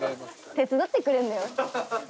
手伝ってくれんだよ。